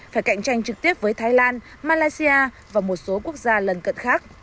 phải cạnh tranh trực tiếp với thái lan malaysia và một số quốc gia lần cận khác